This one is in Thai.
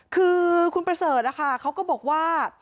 คือคุณประเสริฐนะคะเขาก็บอกว่า